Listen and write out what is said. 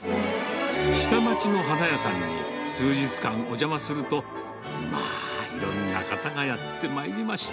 下町の花屋さんに数日間お邪魔すると、まあ、いろんな方がやってまいりまして。